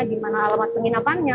di mana alamat penginapannya